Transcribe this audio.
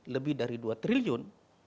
lebih dari dua triliun